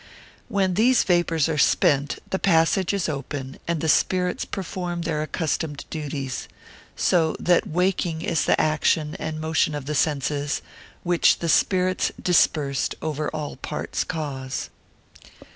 When these vapours are spent, the passage is open, and the spirits perform their accustomed duties: so that waking is the action and motion of the senses, which the spirits dispersed over all parts cause.